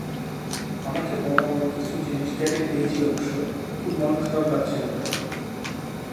আমাকে বলা ওর কিছু জিনিস কেটে দিয়েছি অবশ্য, খুব মন খারাপ লাগছিল তাই।